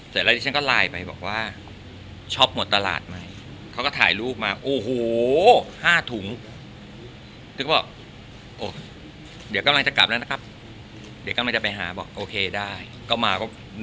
เสร็จแล้วดิ่งที่ฉันก็ไลน์ไปบอกว่า